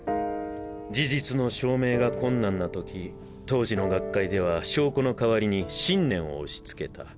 事実の証明が困難な時当時の学会では証拠の代わりに信念を押し付けた。